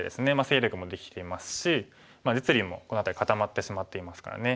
勢力もできていますし実利もこの辺り固まってしまっていますからね。